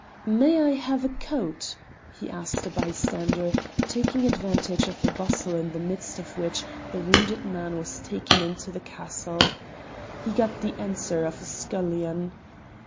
"May I have a coat?" he asked a bystander, taking advantage of a bustle in the midst of which the wounded man was taken into the castle. He got the answer of a scullion.